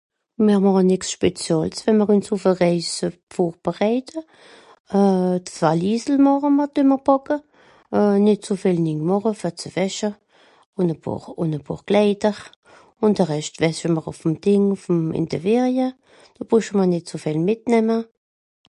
Mìr màche nìx speziàls, we'mr üns ùff e Rèis euh...vorberèite. Euh... d'Valisel màche (...). Euh nìt ze vìel ning màche, fer ze wäsche, ùn e pààr... ùn e pààr Klèider, ùn de Rescht (...) ìn de Ferie, noh brüsch mr nìt so viel mìtnemme.